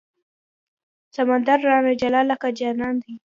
سمندر رانه جلا لکه جانان دی